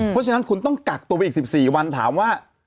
เพราะฉะนั้นคุณต้องกักตัวไปอีก๑๔วันถามว่า